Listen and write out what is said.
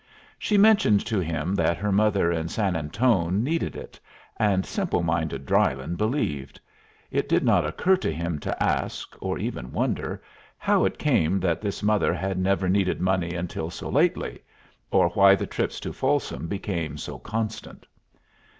She mentioned to him that her mother in San Anton' needed it, and simple minded Drylyn believed. It did not occur to him to ask, or even wonder, how it came that this mother had never needed money until so lately, or why the trips to Folsom became so constant.